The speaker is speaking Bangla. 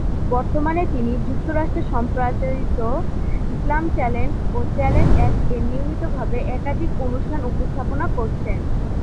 বর্তমানে তিনি যুক্তরাজ্যে সম্প্রচারিত ইসলাম চ্যানেল ও চ্যানেল এস-এ নিয়মিত ভাবে একাধিক অনুষ্ঠানে উপস্থাপনা করছেন।